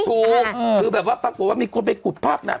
ถูกคือแบบว่าปรากฏว่ามีคนไปกุบพรรคนะ